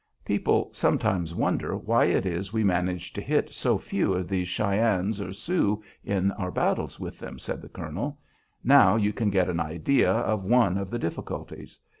"People sometimes wonder why it is we manage to hit so few of these Cheyennes or Sioux in our battles with them," said the colonel. "Now you can get an idea of one of the difficulties.